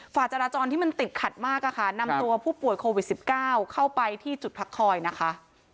ฝ่าจราจรที่มันติดขัดมากอะค่ะนำตัวผู้ป่วยโควิด๑๙เข้าไปที่จุดพักคอยนะคะ